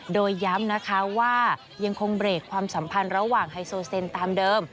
โดยย้ำนะคะว่ายังคงเบรกความสัมพันธ์ระหว่างไฮโซเซนตามเดิม